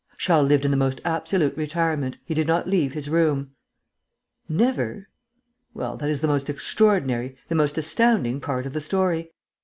"Charles lived in the most absolute retirement. He did not leave his room." "Never?" "Well, that is the most extraordinary, the most astounding part of the story.